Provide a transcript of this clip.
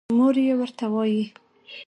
مور يې ورته وايې